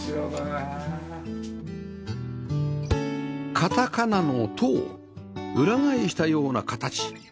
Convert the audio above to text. カタカナの「ト」を裏返したような形